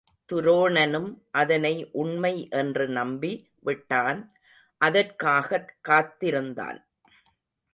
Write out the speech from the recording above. துரோணனும் அதனை உண்மை என்று நம்பி விட்டான், அதற்காகக் காத்து இருந்தான்.